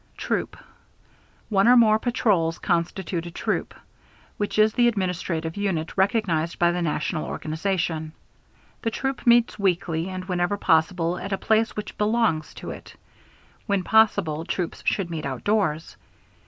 Troop. One or more patrols constitute a Troop, which is the administrative unit recognized by the national organization. The Troop meets weekly and wherever possible at a place which "belongs" to it. When possible troops should meet outdoors.